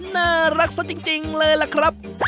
น่ารักซะจริงเลยล่ะครับ